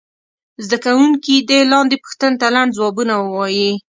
زده کوونکي دې لاندې پوښتنو ته لنډ ځوابونه ووایي.